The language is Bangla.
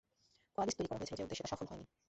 কোয়ালিস্ট তৈরি করা হয়েছিল যে উদ্দেশ্যে তা সফল হয় নি।